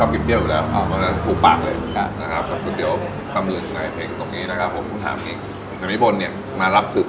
กลับมาสืบสาวเราเส้นที่ย่านบังคุณนอนเก็นต่อค่ะจะอร่อยเด็ดแค่ไหนให้เฮียเขาไปพิสูจน์กัน